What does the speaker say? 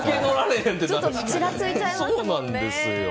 ちょっとちらついちゃいますね。